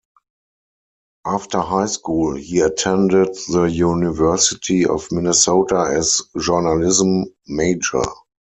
After high school, he attended the University of Minnesota as a journalism major.